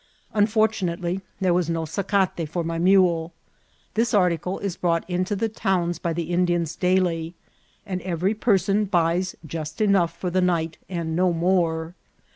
Unfortunately, th^e was no sacate for my nude. Tlds article is brought into the towns by ^he Indians daily, and every person buys just enough for the ni^^ and no more.